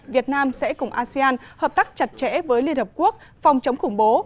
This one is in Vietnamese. việt nam sẽ cùng asean hợp tác chặt chẽ với liên hợp quốc phòng chống khủng bố